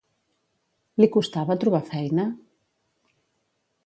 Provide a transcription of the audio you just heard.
Li costava trobar feina?